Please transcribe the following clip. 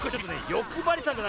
よくばりさんだな。